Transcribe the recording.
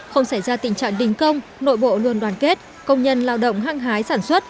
không xảy ra tình trạng đình công nội bộ luôn đoàn kết công nhân lao động hăng hái sản xuất